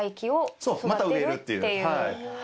そうまた植えるっていう。